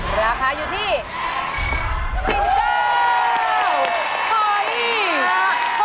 แพงกว่าแพงกว่าแพงกว่า